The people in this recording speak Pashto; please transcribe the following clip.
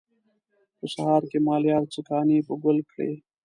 په سهار کې مالیار څه کانې په ګل کړي.